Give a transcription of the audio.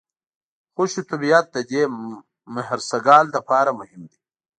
خوشي طبیعت د دې مهرسګال لپاره مهم دی.